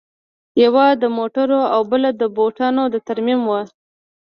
یوه د موټرو او بله د بوټانو د ترمیم وه